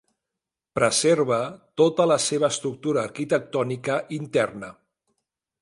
Preserva tota la seva estructura arquitectònica interna.